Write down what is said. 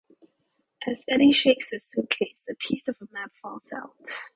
As Eddy shakes the suitcase, a piece of a map falls out.